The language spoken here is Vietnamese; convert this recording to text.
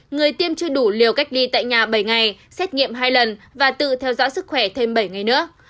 người tiêm chưa đủ liều cách ly tại nhà bảy ngày xét nghiệm hai lần và tự theo dõi sức khỏe thêm bảy ngày nữa